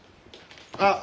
あっ！